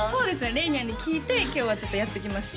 れいにゃんに聞いて今日はちょっとやって来ました